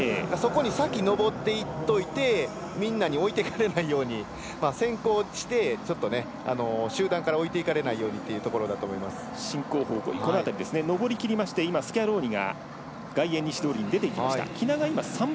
そこに先上っていっておいてみんなに置いてかれないように先行して集団から置いていかれないように上りきりましてスキャローニが外苑西通りに出ていきました。